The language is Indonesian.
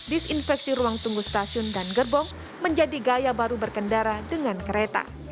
disinfeksi ruang tunggu stasiun dan gerbong menjadi gaya baru berkendara dengan kereta